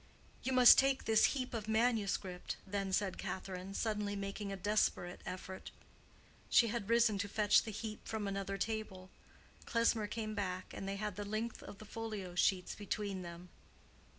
"You must take this heap of manuscript," then said Catherine, suddenly making a desperate effort. She had risen to fetch the heap from another table. Klesmer came back, and they had the length of the folio sheets between them.